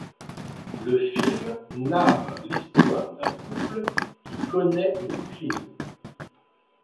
Le film narre l'histoire d'un couple qui connait une crise.